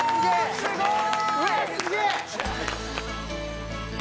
すごい！